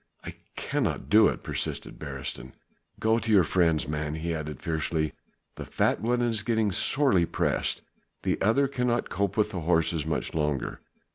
I cannot do it," persisted Beresteyn. "Go to your friends, man," he added fiercely, "the fat one is getting sorely pressed, the other cannot cope with the horses much longer!